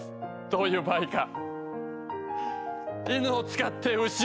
どういう場合か。